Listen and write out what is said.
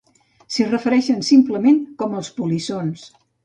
S'hi refereixen simplement com "els polissons".